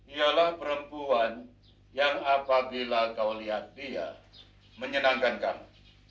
ialah perempuan yang apabila kau lihat dia menyenangkan kami